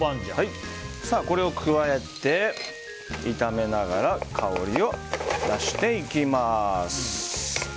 これを加えて、炒めながら香りを出していきます。